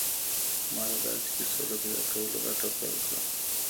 ما د داسې کيسو د پيدا کولو لټه پيل کړه.